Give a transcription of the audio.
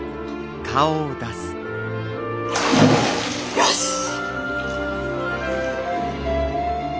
よしっ！